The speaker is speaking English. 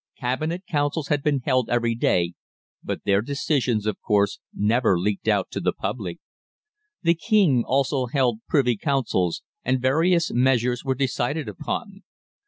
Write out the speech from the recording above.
Cabinet Councils had been held every day, but their decisions, of course, never leaked out to the public. The King also held Privy Councils, and various measures were decided upon.